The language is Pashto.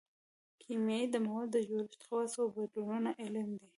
کیمیا د موادو د جوړښت خواصو او بدلونونو علم دی